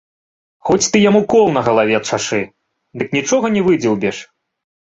Хоць ты яму кол на галаве чашы, дык нічога не выдзеўбеш.